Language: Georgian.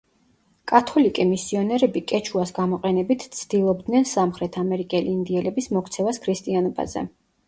კათოლიკე მისიონერები კეჩუას გამოყენებით ცდილობდნენ სამხრეთ ამერიკელი ინდიელების მოქცევას ქრისტიანობაზე.